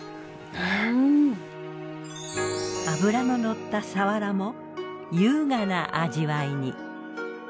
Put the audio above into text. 脂ののった鰆も優雅な味わいに。